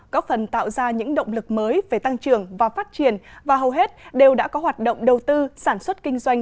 có phần tạo ra những động lực mới về tăng trưởng và phát triển và hầu hết đều đã có hoạt động đầu tư sản xuất kinh doanh